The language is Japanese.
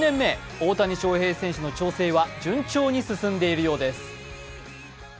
大谷翔平選手の調整は順調に進んでいるようです。